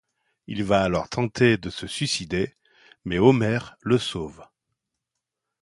Il va alors tenter de se suicider, mais Homer le sauve.